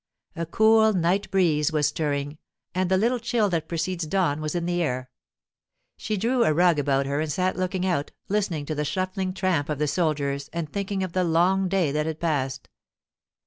A cool night breeze was stirring, and the little chill that precedes dawn was in the air. She drew a rug about her and sat looking out, listening to the shuffling tramp of the soldiers and thinking of the long day that had passed.